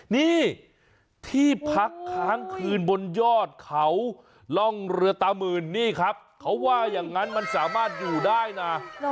นี่ที่พักค้างคืนบนยอดเขาร่องเรือตามื่นนี่ครับเขาว่าอย่างนั้นมันสามารถอยู่ได้นะ